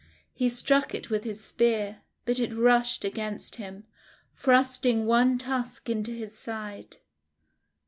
He struck it with his spear, but it rushed against him, thrusting one tusk into his side.